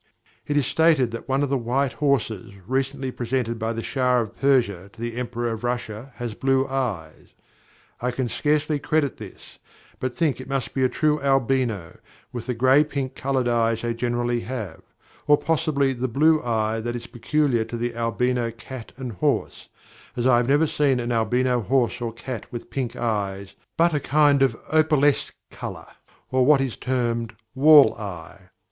It is stated that one of the white horses recently presented by the Shah of Persia to the Emperor of Russia has blue eyes. I can scarcely credit this, but think it must be a true albino, with the gray pink coloured eyes they generally have, or possibly the blue eye is that peculiar to the albino cat and horse, as I have never seen an albino horse or cat with pink eyes but a kind of opalesque colour, or what is termed "wall eye."